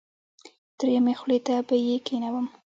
دریمې خولې ته به یې کېنوم.